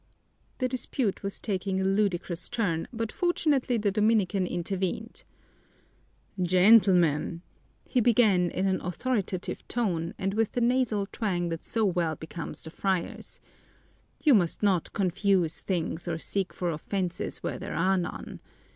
The dispute was taking a ludicrous turn, but fortunately the Dominican intervened. "Gentlemen," he began in an authoritative tone and with the nasal twang that so well becomes the friars, "you must not confuse things or seek for offenses where there are none.